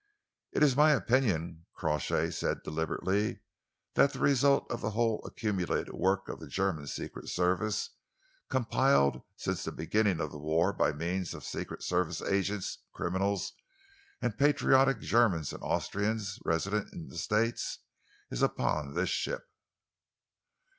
"It is my opinion," Crawshay said deliberately, "that the result of the whole accumulated work of the German Secret Service, compiled since the beginning of the war by means of Secret Service agents, criminals, and patriotic Germans and Austrians resident in the States, is upon this ship."